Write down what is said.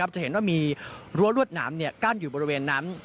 จะเห็นว่ามีรั้วรวดหนามกั้นอยู่บริเวณนั้น